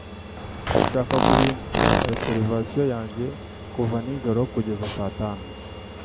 Ndashaka guhindura reservation yanjye kuva nijoro kugeza saa tanu